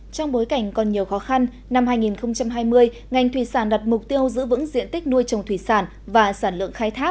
trong bối cảnh còn nhiều khó khăn năm hai nghìn hai mươi ngành thủy sản đặt mục tiêu giữ vững diện tích nuôi trồng thủy sản và sản lượng khai thác